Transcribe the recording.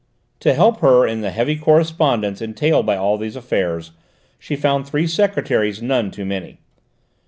To help her in the heavy correspondence entailed by all these affairs, she found three secretaries none too many.